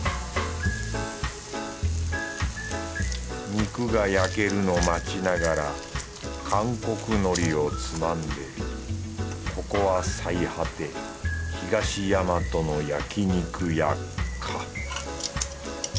肉が焼けるの待ちながら韓国のりをつまんでここは最果て東大和の焼き肉屋か